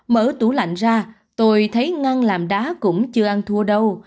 mở tủ lạnh ra tôi thấy ngăn làm đá cũng chưa ăn thua đâu